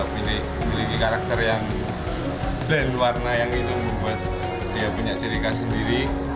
memiliki karakter yang brand warna yang itu membuat dia punya ciri khas sendiri